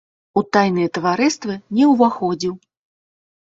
У тайныя таварыствы не ўваходзіў.